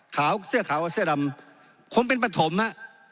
ขาวเสื้อขาวเสื้อดำคงเป็นปฐมฮะ